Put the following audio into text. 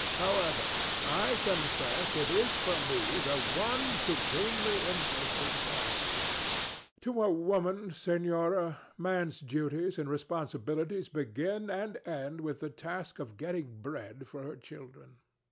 However, I confess it is for me the one supremely interesting subject. DON JUAN. To a woman, Senora, man's duties and responsibilities begin and end with the task of getting bread for her children.